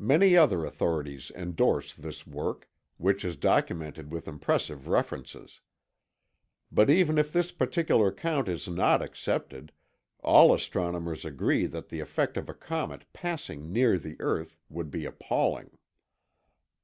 Many other authorities endorse this work, which is documented with impressive references. But even if this particular account is not accepted, all astronomers agree that the effect of a comet passing near the earth would be appalling.